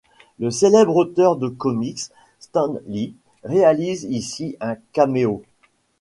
Le célèbre auteur de comics Stan Lee réalise ici un caméo.